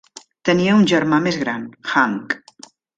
Tenia un germà més gran: Hank.